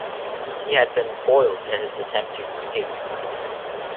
He had been foiled in his attempt to escape.